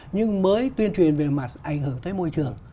nhưng mới tuyên truyền về mặt ảnh hưởng tới môi trường